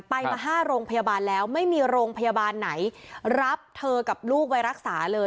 ไปมา๕โรงพยาบาลแล้วไม่มีโรงพยาบาลไหนรับเธอกับลูกไปรักษาเลย